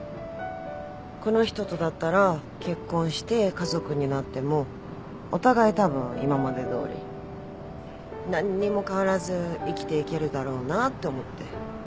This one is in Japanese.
この人とだったら結婚して家族になってもお互いたぶん今までどおり何にも変わらず生きていけるだろうなって思って。